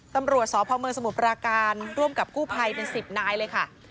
ตำรวจสพเมืองสมุทรปราการร่วมกับกู้ภัยเป็น๑๐นายเลยค่ะ